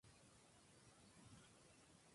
Kazuki Omori